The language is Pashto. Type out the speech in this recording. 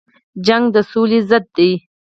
جګړه د سولې ضد ده